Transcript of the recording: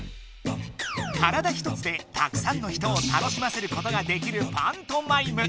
体ひとつでたくさんの人を楽しませることができるパントマイム。